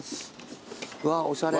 うわーおしゃれ。